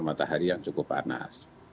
matahari yang cukup panas